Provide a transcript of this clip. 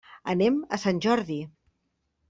Anem a Sant Jordi.